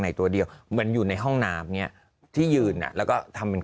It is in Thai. ตัวเดียวเหมือนอยู่ในห้องน้ำเนี้ยที่ยืนอ่ะแล้วก็ทำเป็น